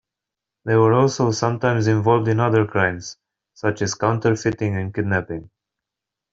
They were also sometimes involved in other crimes such as counterfeiting and kidnapping.